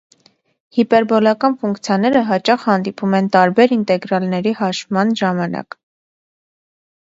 Հիպերբոլական ֆունկցիաները հաճախ հանդիպում են տարբեր ինտեգրալների հաշվման ժամանակ։